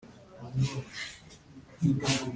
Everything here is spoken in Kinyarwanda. Byanatuma amenyera nabi rwose